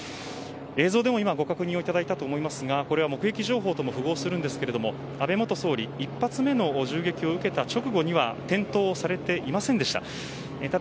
映像でもご確認をいただいたと思いますがこれは目撃情報とも符合するんですけれども安倍元総理１発目の銃撃を受けた直後には転倒されていませんでした。